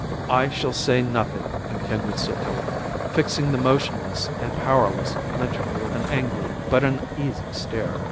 "I shall say nothing," continued Sotillo, fixing the motionless and powerless Mitchell with an angry but uneasy stare.